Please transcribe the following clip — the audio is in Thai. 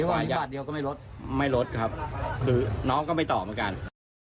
แต่ว่าอย่างนี้บาทเดียวก็ไม่ลดครับน้องก็ไม่ต่อเหมือนกัน